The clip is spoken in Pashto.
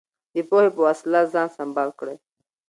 د پوهې په وسله ځان سمبال کړئ.